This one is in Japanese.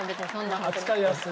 扱いやすい。